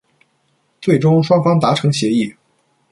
最终，双方达成协议。